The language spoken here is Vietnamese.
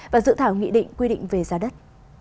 và dự thảo nghị định quy định về giá đất